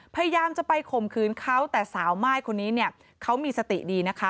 พยายามจะไปข่มขืนเขาแต่สาวไหม้คนนี้เขามีสติดี